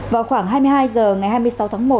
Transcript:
vào khoảng hai mươi hai h ngày hai mươi sáu tháng một